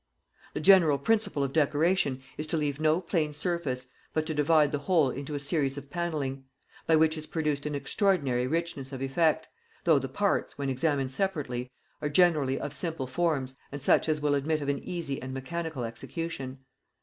The general principle of decoration is to leave no plain surface, but to divide the whole into a series of pannelling; by which is produced an extraordinary richness of effect, though the parts, when examined separately, are generally of simple forms and such as will admit of an easy and mechanical execution.